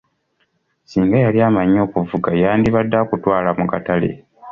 Singa yali amanyi okuvuga yandibadde akutwala mu katale.